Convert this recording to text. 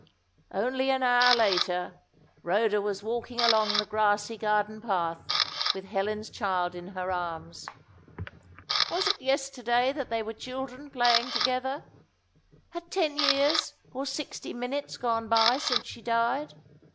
Only an hour later, Rhoda was walking along the grassy garden path with Helen's child in her arms. Was it yesterday that they were children playing together? Had ten years or sixty minutes gone by since she died?